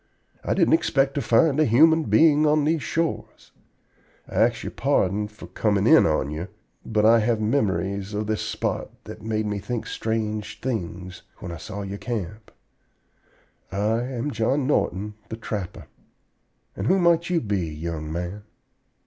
I didn't expect to find a human being on these shores. I ax your pardon for comin' in on ye, but I have memories of this spot that made me think strange things when I saw your camp. I am John Norton, the trapper. And who might you be, young man?"